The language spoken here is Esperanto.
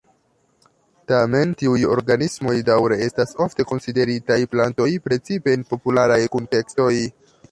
Tamen, tiuj organismoj daŭre estas ofte konsideritaj plantoj, precipe en popularaj kuntekstoj.